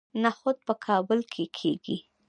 نخود په کابل کې کیږي